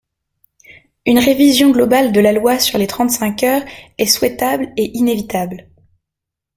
Une révision globale de la loi sur les trente-cinq heures est souhaitable et inévitable.